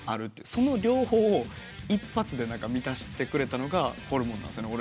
その両方を一発で満たしてくれたのがホルモンなんすよね。